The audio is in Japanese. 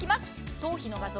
頭皮の画像。